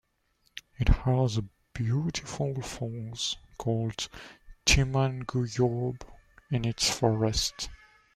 It has a beautiful falls called Timmanguyob in its forest.